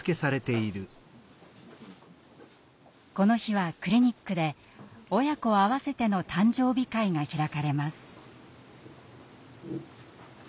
この日はクリニックで親子あわせての誕生日会が開かれます。